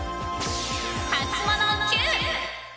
ハツモノＱ。